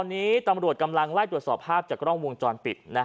ในรถคันนึงเขาพุกอยู่ประมาณกี่โมงครับ๔๕นัท